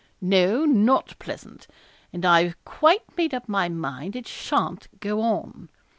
'No, not pleasant and I've quite made up my mind it sha'n't go on.